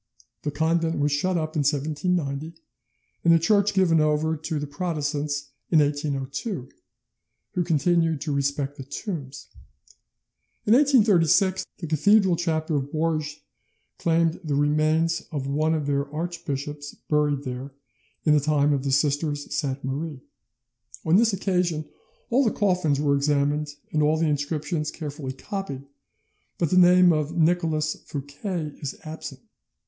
The convent was shut up in 1790, and the church given over to the Protestants in 1802; who continued to respect the tombs. In 1836 the Cathedral chapter of Bourges claimed the remains of one of their archbishops buried there in the time of the Sisters of Sainte Marie. On this occasion all the coffins were examined and all the inscriptions carefully copied, but the name of Nicolas Fouquet is absent.